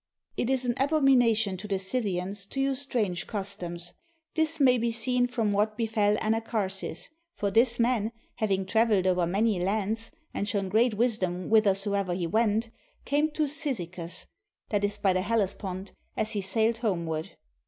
It is an abomination to the Scythians to use strange customs. This may be seen from what befell Anachar sis; for this man, having traveled over many lands, and 21 RUSSIA shown great wisdom whithersoever he went, came to Cyzicus, that is by the Hellespont, as he sailed home ward.